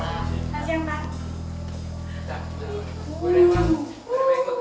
selamat siang pak